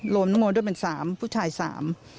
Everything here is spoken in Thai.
รวมน้องโมด้วยเป็นสามผู้ชายสาม